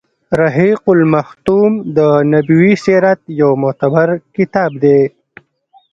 رحيق المختوم د نبوي سیرت يو معتبر کتاب دی.